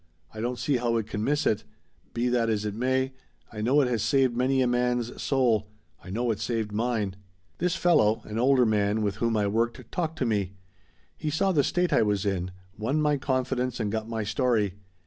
I don't see how it can miss it but be that as it may, I know it has saved many a man's soul. I know it saved mine. "This fellow an older man with whom I worked talked to me. He saw the state I was in, won my confidence and got my story.